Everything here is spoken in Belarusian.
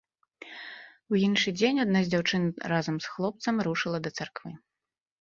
У іншы дзень адна з дзяўчын разам з хлопцам рушыла да царквы.